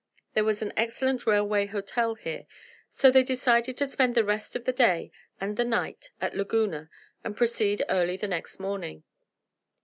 There was an excellent railway hotel here, so they decided to spend the rest of the day and the night at Laguna and proceed early the next morning.